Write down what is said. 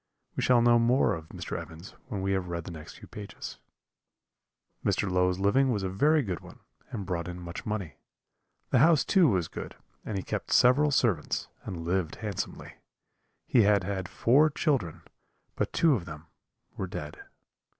We shall know more of Mr. Evans when we have read the few next pages. "Mr. Low's living was a very good one, and brought in much money. The house too was good, and he kept several servants, and lived handsomely. He had had four children, but two of them were dead.